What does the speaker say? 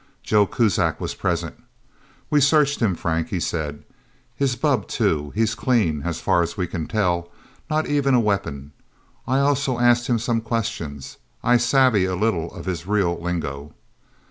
Joe Kuzak was present. "We searched him, Frank," he said. "His bubb, too. He's clean as far as we can tell. Not even a weapon. I also asked him some questions. I savvy a little of his real lingo."